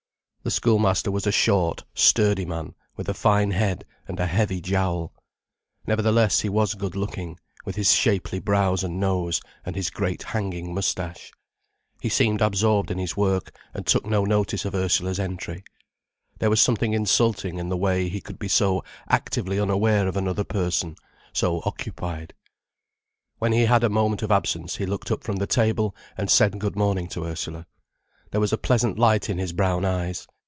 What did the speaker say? The schoolmaster was a short, sturdy man, with a fine head, and a heavy jowl. Nevertheless he was good looking, with his shapely brows and nose, and his great, hanging moustache. He seemed absorbed in his work, and took no notice of Ursula's entry. There was something insulting in the way he could be so actively unaware of another person, so occupied. When he had a moment of absence, he looked up from the table and said good morning to Ursula. There was a pleasant light in his brown eyes.